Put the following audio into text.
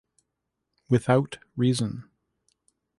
Without reason.